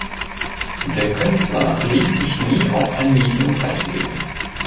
Der Künstler ließ sich nie auf ein Medium festlegen.